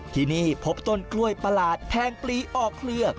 ที่นี่พบต้นกล้วยประหลาดแทงปลีออกเคลือก